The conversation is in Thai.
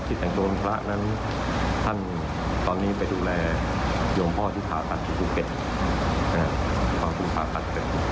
เพราะผู้ปลาพัดเกิด